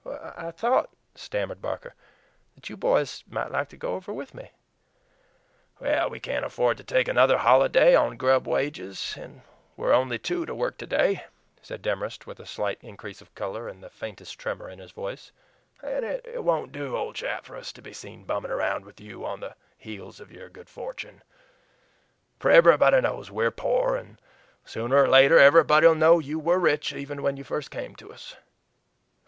"I thought," stammered Barker, "that you boys might like to go over with me." "We can't afford to take another holiday on grub wages, and we're only two to work today," said Demorest, with a slight increase of color and the faintest tremor in his voice. "And it won't do, old chap, for us to be seen bumming round with you on the heels of your good fortune. For everybody knows we're poor, and sooner or later everybody'll know you WERE rich even when you first came to us."